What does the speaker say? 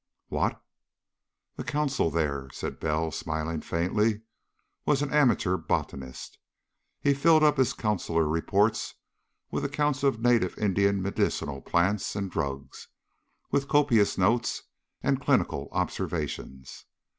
"What?" "The consul there," said Bell, smiling faintly, "was an amateur botanist. He filled up his consular reports with accounts of native Indian medicinal plants and drugs, with copious notes and clinical observations.